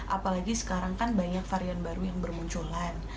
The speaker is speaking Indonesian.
apalagi sekarang kan banyak varian baru yang bermunculan